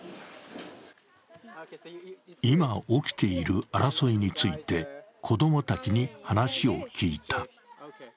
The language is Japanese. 今起きている争いについて、子供たちに話を聞いた。